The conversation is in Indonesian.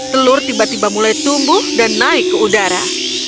telur tiba tiba mulai tumbuh dan naik ke udara